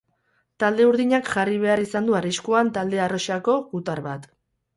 Talde urdinak jarri behar izan du arriskuan talde arrosako gutar bat.